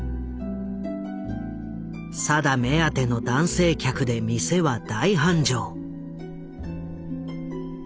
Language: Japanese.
定目当ての男性客で店は大繁盛。